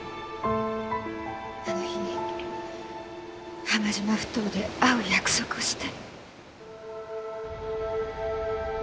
あの日浜島埠頭で会う約束をして。